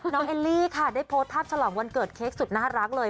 เอลลี่ค่ะได้โพสต์ภาพฉลองวันเกิดเค้กสุดน่ารักเลย